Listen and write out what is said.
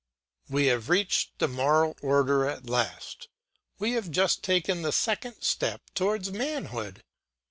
We have reached the moral order at last; we have just taken the second step towards manhood.